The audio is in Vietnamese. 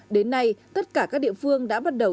đến nay tất cả các địa phương đã bắt đầu